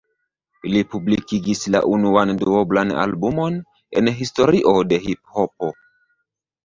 Li publikigis la unuan duoblan albumon en historio de hiphopo.